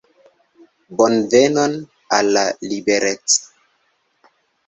Bonvenon, Al la liberec'